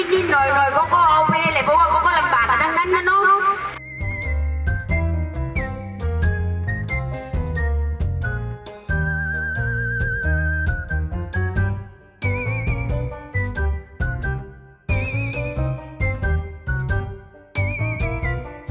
กินก้าวหูก้าวกินก้าวก็ไข่ให้บายใจเลย